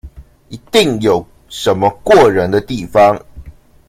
一定有什麼過人的地方